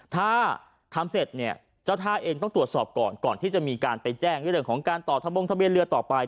ถ้าทำเสร็จเนี่ยเจ้าท่าเองต้องตรวจสอบก่อนก่อนที่จะมีการไปแจ้งเรื่องของการต่อทะบงทะเบียนเรือต่อไป